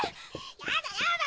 やだやだ！